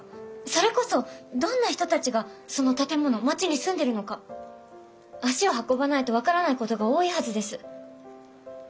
それこそどんな人たちがその建物街に住んでるのか足を運ばないと分からないことが多いはずです。